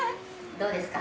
「どうですか？